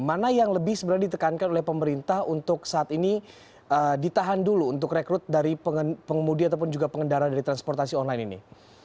mana yang lebih sebenarnya ditekankan oleh pemerintah untuk saat ini ditahan dulu untuk rekrut dari pengemudi ataupun juga pengendara dari transportasi online ini